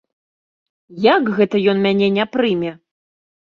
Як гэта ён мяне не прыме?